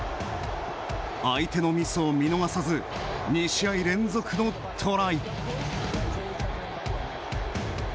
相手のミスを見逃さず２試合連続のトライ。